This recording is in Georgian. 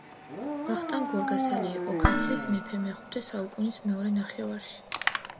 ვახტანგ გორგასალი იყო ქართლის მეფე მეხუთე საუკუნის მეორე ნახევარში